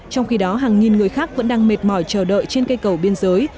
trong khi đó hàng nghìn người khác vẫn đang mệt mỏi chờ đợi trên cây cầu biên giới